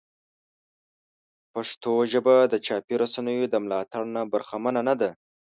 پښتو ژبه د چاپي رسنیو د ملاتړ نه برخمنه نه ده.